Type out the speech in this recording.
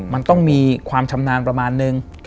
มันต้องมีความชำนาญประมาณนึง